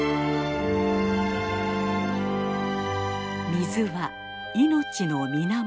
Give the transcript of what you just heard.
水は命の源。